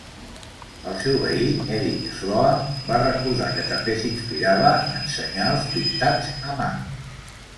El seu veí, Eric Sloane, va recordar que també s'inspirava en senyals pintats a mà.